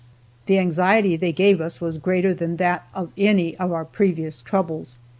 The anxiety they gave us was greater than that of any of our previous troubles.